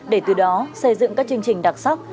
để từ đó xây dựng các chương trình đặc sắc